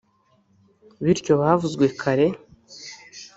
bityo bavuzwe kare